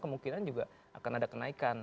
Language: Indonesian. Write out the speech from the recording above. kemungkinan juga akan ada kenaikan